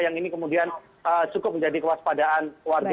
yang ini kemudian cukup menjadi kewaspadaan warga